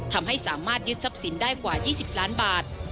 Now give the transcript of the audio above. ทำให้สามารถยึดทรัพย์สินได้กว่า๒๐ล้านบาท